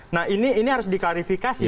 nah ini harus diklarifikasi